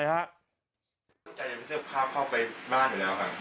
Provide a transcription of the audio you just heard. ใจจะไปซื้อของภาพเข้าไปบ้านอยู่แล้วค่ะ